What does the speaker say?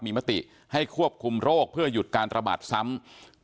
มีมติให้ควบคุมโรคเพื่อหยุดการระบาดซ้ำ